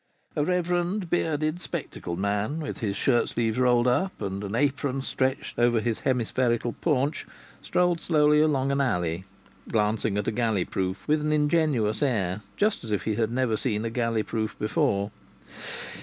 A reverend, bearded, spectacled man, with his shirt sleeves rolled up and an apron stretched over his hemispherical paunch, strolled slowly along an alley, glancing at a galley proof with an ingenuous air just as if he had never seen a galley proof before.